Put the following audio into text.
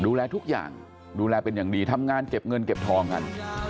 ดูแลทุกอย่างดูแลเป็นอย่างดีทำงานเก็บเงินเก็บทองกัน